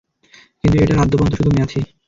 কিন্তু, এটার আদ্যোপান্ত তো শুধু ম্যাথই!